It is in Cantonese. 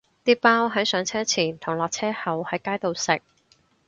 啲包係上車前同落車後喺街度食